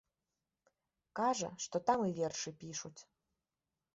Кажа, што там і вершы пішуць.